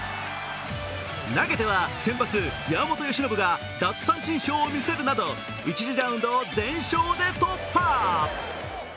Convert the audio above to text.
投げては先発・山本由伸が奪三振ショーを見せるなど、１次ラウンドを全勝で突破。